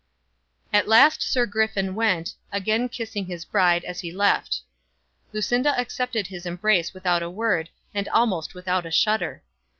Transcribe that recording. At last Sir Griffin went, again kissing his bride as he left. Lucinda accepted his embrace without a word and almost without a shudder.